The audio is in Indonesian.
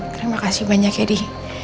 terima kasih banyak edy